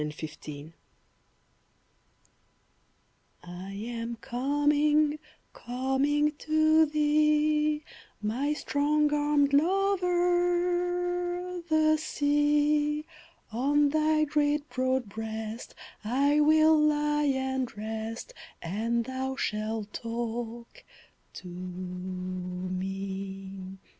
SWIMMING SONG I am coming, coming to thee, My strong armed lover, the Sea! On thy great broad breast I will lie and rest, And thou shalt talk to me.